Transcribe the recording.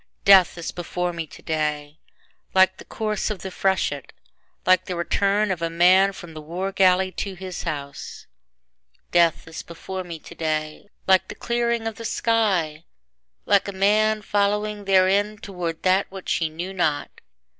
Death is before me today Like the course of the freshet, Like the return of a man from the war galley to his house. 20 THE WORLD BEYOND 2i Death is before me today Like the clearing of the sky, Like a man fowhng therein toward that which he knew not.